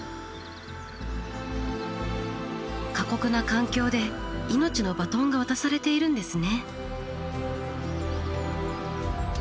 過酷な環境で命のバトンが渡されているんですね。